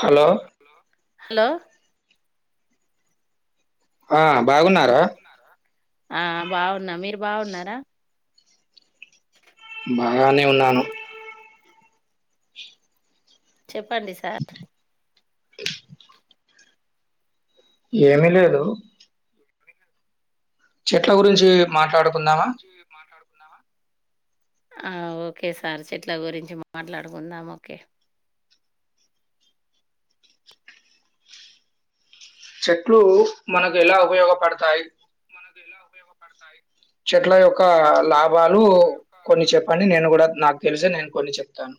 Hello hello ఆ బాగున్నారా ఆ బాగున్న మీరు బాగున్నారా బాగానే ఉన్నాను చెప్పండి సార్ ఏమి లేదు చెట్ల గురించి చెట్ల మాట్లాడుకుందామా గురించి మాట్లాడు ఆ ఓకే సార్ చెట్ల గురించి మాట్లాడుకుందాం ఓకే చెట్లు మనకు ఎలా ఉపయోగపడతాయి ఎలా ఉపయోగపడతాయి చెట్ల యొక్క లాభ వాళ్ళు కొన్ని చెప్పండి నేను కూడా నాకు తెలిసినవి నేను కొన్ని చెప్తాను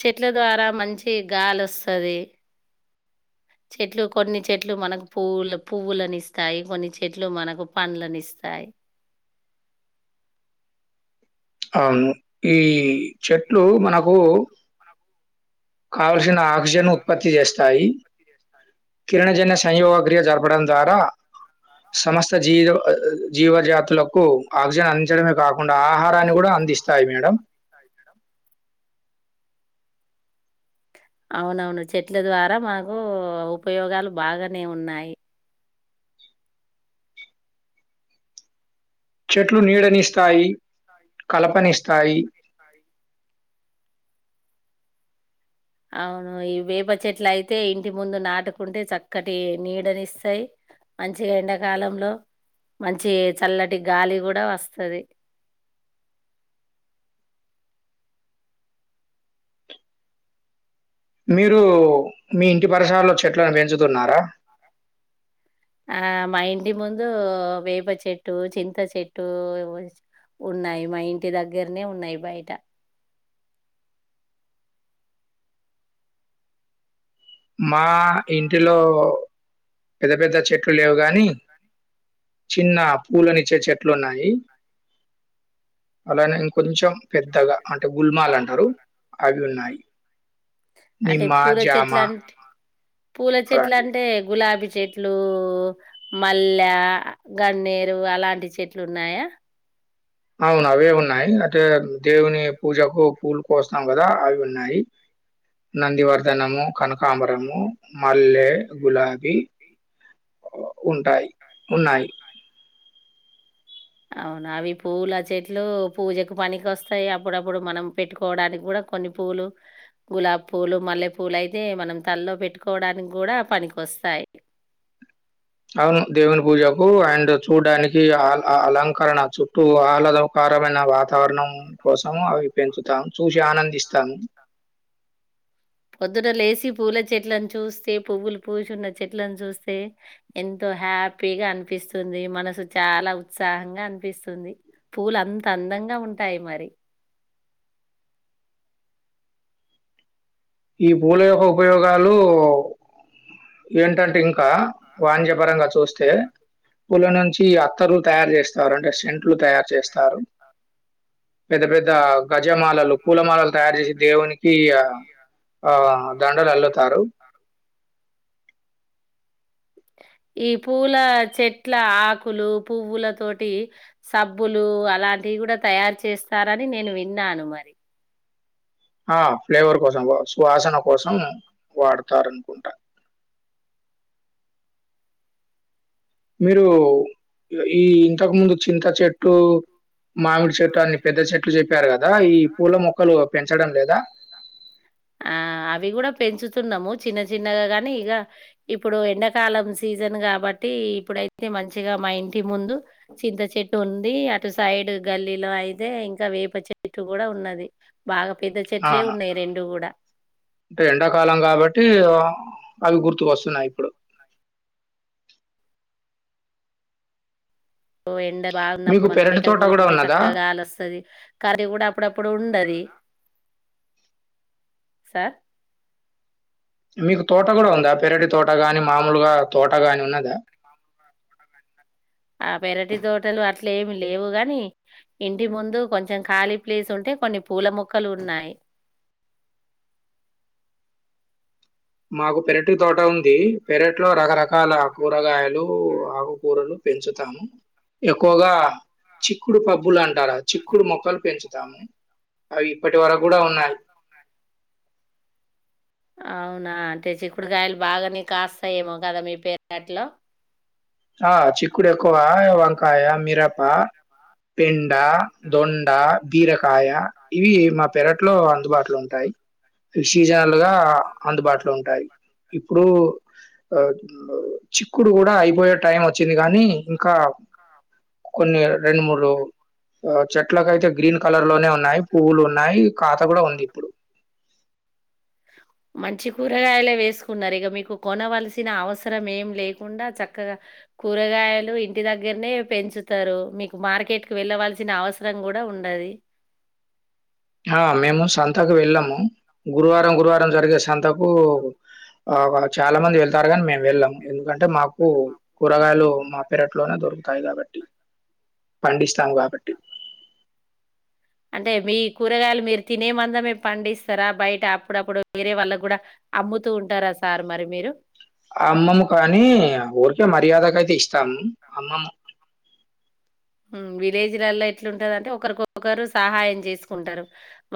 చెట్ల ద్వారా మంచి గాలొస్తది చెట్లు కొన్ని చెట్లు మనకు పువూ పువ్వులని ఇస్తాయి కొన్ని చెట్లు మనకు పండ్లలనుస్తాయి అవును ఈ చెట్ ట్లు మనకు కావలసిన ఆక్సిజన్ ఉత్పత్తి చేస్తాయి కిరణజన్య సంయోగ క్రియ జరపడం ద్వారా సమస్త జీవ జీవజాతులకు ఆక్సిజన్ అందించడమే కాక అకుండా ఆహారాన్ని కూడా అందిస్తాయి మేడం అవునవును చెట్ల ద్వారా మాకు ఉపయోగాలు బాగానే ఉన్నాయి చెట్లు నీడనిస్తాయి కలప పనిస్తాయి అవును ఈ వేప చెట్లు అయితే ఇంటి ముందు నాటుకుంటే చక్కటి నీడనిస్తాయి మంచిగా ఎండాకాలంలో మంచి చల్లటి గాలి కూడా వస్తది మీరు మీ ఇంటి పరిసరాలో చెట్లను పెంచుతున్నారా ఆ మా ఇంటి ముందు వేప చెట్టు చింత చెట్టు ఉన్నాయి మా ఇంటి దగ్గరనే ఉన్నాయి బయట మా ఇంటిలో పెద్ద పెద్ద చెట్లు లేవు గాని చిన్న పూలని ఇచ్చే చెట్లు ఉన్నాయి అలా ఇంకొంచెం పెద్దగా అంటే గుల్మాల్ అంటారు అవి ఉన్నాయి అంటే నిమ్మ పూల జామ చెట్లు అంటే పూల చెట్ల అలాంటివి. అంటే గులాబీ చెట్లు మల్లె గన్నరు అలాంటి చెట్లు ఉన్నాయా అవును అవే ఉన్నాయి అంటే దేవుని పూజకు పూలు కోస్తాం కదా అవి ఉన్నాయి నందివర్ధనము కనకాంబరము మల్లె గులాబీ ఉంటాయి ఉన్నాయి అవునా అవి పూల చెట్లు పూజకు పనికి వస్తాయి అప్పుడప్పుడు మనం పెట్టుకోవడానికి కూడా కొన్ని పూలు గులాబ పూలు మల్లె పూలు అయితే మనం తలలో పెట్టుకోవడానికి కూడా పనికిస్తాయి అవును దేవుని పూజకు అండ్ చూడ్డానికి అ అలంకరణ చుట్టూ ఆహ్లాదకరమైన వాతావరణం కోసం అవి పెంచుతాము చూసి ఆనందిస్తాము పొద్దుట లేచి పూల చెట్లను చూస్తే పువ్వులు పూచున్న చెట్లను చూస్తే ఎంతో హ్యాపీగా అనిపిస్తుంది మనసు చాలా ఉత్సాహంగా అనిపిస్తుంది పూలు అంత అందంగా ఉంటాయి మరి ఈ పూల యొక్క ఉపయోగాలు ఏంటంటే ఇంకా వాణ్య పరంగా చూస్తే పుల నుంచి అత్తరులు తయారు చేస్తారు అంటే సెంట్లు తయారు చేస్తారు పెద్ద పెద్ద గజమాలలు పూలమాలలు తయారు చేసి దేవునికి ఆ దండలు అల్లుతారు ఈ పూల చెట్ల ఆకులు పువ్వుల తోటి సబ్బులు అలాంటివి కూడా తయారు చేస్తారని నేను విన్నాను మరి ఆ ఫ్లేవర్ కోసం శువాసన కోసం వాడతార అనుకుంటా మీరు ఈ ఇంతకు ముందు చింత చెట్టు మామిడి చెట్టు అన్ని పెద్ద చెట్లు చెప్పారు గదా! ఈ పూల మొక్కలు పెంచడం లేదా? ఆ అవి కూడా పెంచు స్తున్నాము చిన్న చిన్నగా కాని ఇక ఇప్పుడు ఎండాకాలం సీజన్ కాబట్టి ఇప్పుడైతే మంచిగా మా ఇంటి ముందు చింత చెట్టు ఉంది అటు సైడ్ గల్లీలో అయితే ఇం ఇ వేప చెట్టు కూడా ఉన్నది బాగా పెద్ద ఆ! చెట్లే ఉన్నాయి రెండు కూడా అంటే ఎండాకాలం కాబట్టి అవి గుర్తు వస్తున్నా ఇప్పుడు ఓ ఎండ బాగున్నప్పుడు మీకు మనం పెరటి బయట తోట గూడా కూర్చుంటే ఉన్నదా? చక్కగా గాలి వస్తుది కర్రీ కూడా అప్పుడప్పుడు ఉండది సార్ మీకు తోట కూడా ఉందా పెరటి తోట గాని మామూలుగా తోటగాని ఉన్నదా ఆ పెరటి తోటలు అట్లే ఏమి లేవు గాని ఇంటి ముందు కొంచెం ఖాళీ ప్లేస్ ఉంటే కొన్ని పూల మొక్కలు ఉన్నాయి మాకు పెరటి తోట ఉంది పెరట్ ఇట్లో రకరకాల కూరగాయలు ఆకుకూరలు పెంచుతాము ఎక్కువగా చిక్కుడు పబ్బులు అంట టారా చిక్కుడు మొక్కలు పెంచుతాము అవి ఇప్పటి వరకు కూడా ఉన్నాయ అవునా అంటే చిక్కుడుకాయలు బాగానే కాస్తాయేమో కదా మీ పేరట్లో ఆ చిక్కుడు ఎక్కువ కాయ మిరపా పెండ దొండ బీరకాయ ఇవి మా పెరట్లో అందుబాటులో ఉంటాయి అవి సీజనల్ గా అందుబాటులో ఉంటాయి ఇప్పుడు ఆ చిక్కుడు కూడా అయిపోయే టైం వచ్చింది కానీ ఇంకా కొన్ని రెండు మూడు ఆ చెట్లక అయితే గ్రీన్ కలర్ లోనే ఉన్నాయి పువ్వులు ఉన్నాయి ఖాత కూడా ఉంది ఇప్పుడు మంచి కూరగాయలే వేసుకున్నారు ఇక మీకు కొనవలసిన అవసరం ఏం లేకుండా చక్కగా కూరగాయలు ఇంటి దగ్గరనే పెంచుతారు మీకు మార్కెట్కి వెళ్ళవల చ్చిన అవసరం కూడా ఉండది ఆ మేము సంతకు వెళ్ళాము గురువారం గురువారం జరిగే సంతకు ఆ చాలా మంది వెళ్తారు కాని మేము వెళ్ళాము ఎందుకంటే మాకు కూరగాయలు మా పెరట్లోనే దొరుకుతాయి కాబట్టి పండిస్తాము కాబట్టి అంటే మీ కూరగాయలు మీరు తినే మందమే పండిస్తారా బయట అప్పుడప్పుడు వేరే వాళ్ళకు కూడా అమ్ముతూ ఉంటారా సార్ మరి మీరు అమ్మము కానీ ఊరికే మర్యాద [unintelligible] ఇస్తాం అమ్మమ్మ మ్ విలేజ్లలో ఎట్లుంటదంటే ఒకరికొకరు సహాయం చేసుకుంటారు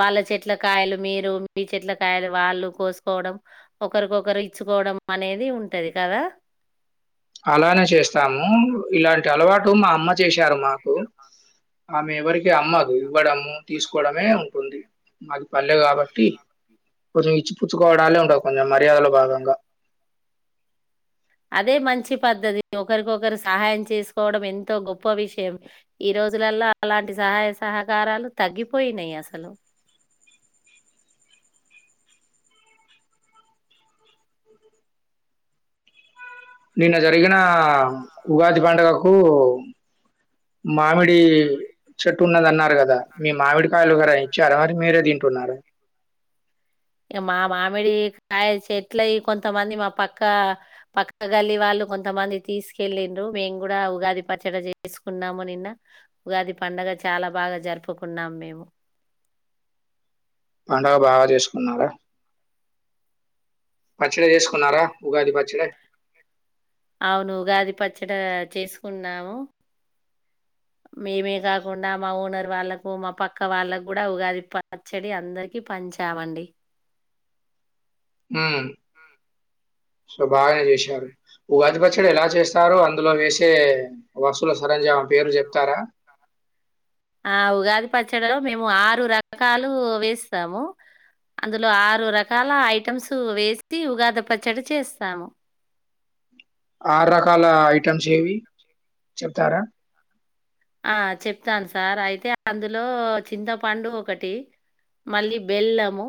వాళ్ళ చెట్ల కాయలు మీరు మీ చెట్ల కాయలు వాళ్ళు కోసుకోవడం ఒకరికొకరు ఇచ్చుకోవడం అనేది ఉంటది కదా అలానే చేస్తాము ఇలాన్ టి అలవాటు మా అమ్మ చేశారు మాకు ఆమె ఎవరికి అమ్మదు ఇవ్వడము తీసుకోవడమే ఉంటుంది మాది పల్లె కాబట్టి కొంచెం ఇచ్చిపుచ్చుకోవడాలే ఉంటవు కొంచెం మర్యాదలో భాగంగా అదే మంచి పద్ధతి ఒకరికొకరు సహాయం చేసుకోవడం ఎంతో గొప్ప విషయం ఈ రోజులల్లో అలాంటి సహాయ సహకారాలు తగ్గిపోయినాయి అసలు నిన్న జరిగిన ఉగాది పండుగకు మామిడి చెట్టున్నదన్నా రు కదా మీ మామిడి కాయలు గర ఇచ్చారా మరి మీరే దింటున్నారా మా మామిడి కాయ చెట్లయి కొంతమంది మా పక్క పక్క గల్లి వాళ్ళు కొంతమంది తీసుకెళ్ళిన్రు మేము కూడా ఉగాది పచ్చడ చేసుకున్నాము నిన్న ఉగాది పండగ చాలా బాగా జరుపుకున్నాం మేము పండగ బాగా చేసుకున్నారా [inaudible] చ్చడి చేసుకున్నారా ఉగాది పచ్చడె అవును ఉగాది పచ్చడ చేసుకున్నాము మేమే కాకుండా మా ఓనర్ వాళ్ళకు మా పక్క వాళ్ళకు కూడా ఉగాది పచ్చడి అందరికి పంచామండి హుమ్ సో బాగానే చేశారు ఉగాది పచ్చడి ఎలా చేస్తారు అందులో వేసే వస్తుల సరంజామా పేర్లు చెప్తారా ఆ ఉగాది పచ్చడిలో మేము ఆరు రకాలు వేస్తాము అందులో ఆరు రకాల ఐటమ్స్ వేసి ఉగాది పచ్చడి చేస్తాము ఆరు రకాల ఐటెమ్స్ ఏవి చెప్తారా ఆ చెప్తాను సార్ అయితే అందులో చింతపండు ఒకటి మళ్ళీ బెల్లము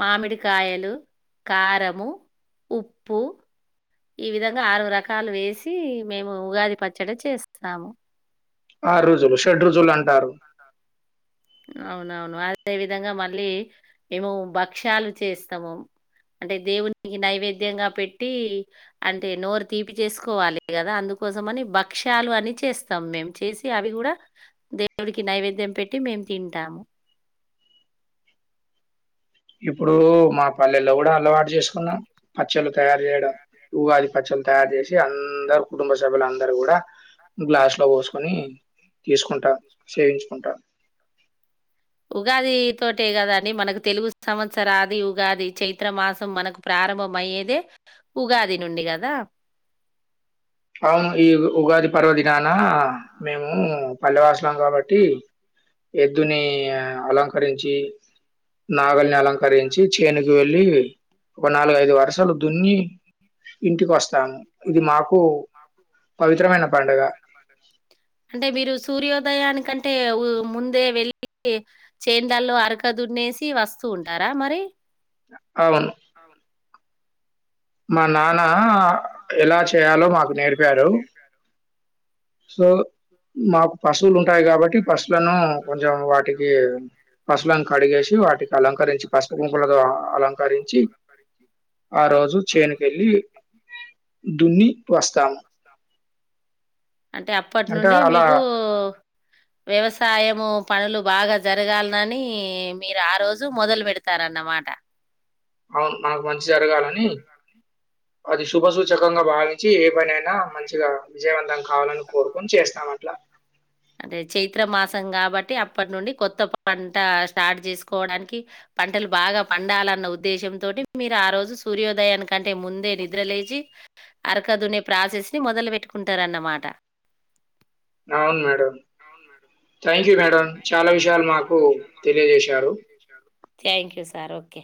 మామిడికాయలు కారము ఉప్పు ఈ విధంగా ఆరు రకాలు వేసి మేము ఉగాది పచ్చడి చేస్తాము ఆరు రుచులు షడ్ రుచులు అంటారు అవునవును, అదే విధంగా మళ్ళీ మేము భక్షలు చేస్తాము, అంటే దేవునికి నైవేద్యంగా పెట్టి, అంటే నోరు తీపి చేసుకోవాలి కదా అందుకోసం అని భక్ష్యాలు అని చేస్తాము మేము చేసి అవి కూడా దేవుడికి నైవేద్యం పెట్టి మేము తింటాము ఇప్పుడు మా పల్లెల్లో కూడా అలవాటు చేసుకున్నాం పచ్చళ్లు తయారు చేయడం ఊగాది పచ్చలు తయారు చేసి అందరు కుటుంబ సభ్యుల అందరు కూడా, గ్లాస్ లో పోసుకొని తీసుకుంటా సేవించుకుంటా ఉగాది తోటే కదా అండి. మనకు తెలుగు సంవత్సరాది ఉగాది చైత్ర మాసం మనకు ప్రారంభం అయ్యేదే ఉగాది నుండి కదా. అవును ఈ ఉగాది పర్వదినాన మేము పల్లె వాసులం కాబట్టి, ఎద్దుని అలంకరించి నాగల్ని అలంకరిం చి చేనుకు వెళ్ళి నాలుగు ఐదు వర్షాలు దున్ని ఇటికి వస్ తంగ్ ఇది మాకు పవిత్రమైన పండుగ. అంటే మీరు సూర్యోదయం దానికంటే ముందే వెళ్ళి చేన్లల్లో అరక దున్నేసి వస్తూ ఉంటారా మరి అవును మా నాన ఆ ఎలా చే చేయాలో మాకు నేర్పాడు సో మాకు పశువులు ఉంటాయి కాబట్టి పశువులను కొంచెం వాటి కి పశువులను కడిగేసి వాటికి అలంకరించి పసుపు గుంపులతో అలంకరించి ఆ రోజు చేనుకి వెళ్ళి దున్ని వస్తాము అంటే అప్పటి అంటే నుండి అలా మీకు వ్యవసాయము పనులు బాగా జరగాలనని మీరు ఆ రోజు మొదలు పెడతారన్నమాట అవును మనకు మంచి జరగాలని అది శుభ సూచకంగా భావించి ఏ పని అయినా మంచిగా విజయవంతం కావాలని కోరుకొని చేస్తాం. అట్లా అంటే చైత్ర మాసం కాబట్టి అప్పటి నుండి కొత్త పంట స్టార్ట్ చేసుకోవడానికి, పంటలు బాగా పండాలన్న ఉద్దేశంతోటి, మీరు ఆ రోజు సూర్యోదయానికంటే, ముందే నిద్ర లేచి, అరకదునే ప్రాసెస్ ని మొదలు పెట్టుకుంటారన్నమాట. అవును మేడం థ్యాంక్ యూ మేడం చాలా విషయాలు మాకు తెలియజేశారు థ్యాంక్ యు సార్ ఒకే